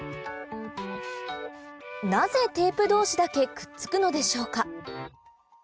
なぜテープ同士だけくっつくのでしょうか？